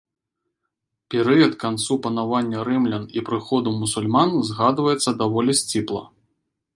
Перыяд канцу панавання рымлян і прыходу мусульман згадваецца даволі сціпла.